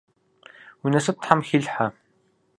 Уи насып Тхьэм хилъхьэ.